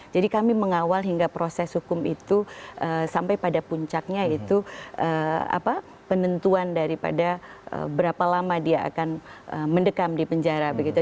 jadi kami mengawal hingga proses hukum itu sampai pada puncaknya itu penentuan daripada berapa lama dia akan mendekam di penjara begitu